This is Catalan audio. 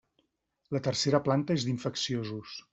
La tercera planta és d'infecciosos.